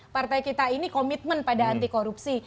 partai kita ini komitmen pada anti korupsi